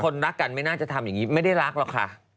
จังงังมาก